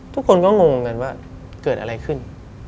ทุกคนก็งงกันว่าเกิดอะไรขึ้น